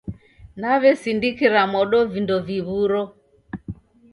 Nawesindikira modo vindo viw'uro.